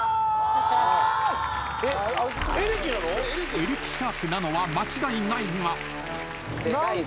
［エレキシャークなのは間違いないが］